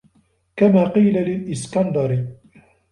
كَمَا قِيلَ لِلْإِسْكَنْدَرِ